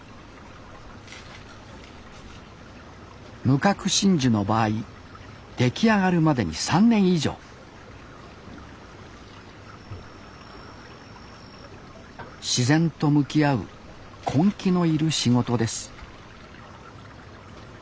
無核真珠の場合出来上がるまでに３年以上自然と向き合う根気のいる仕事です